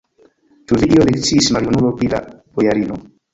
Ĉu vi ion eksciis, maljunulo, pri la bojarino?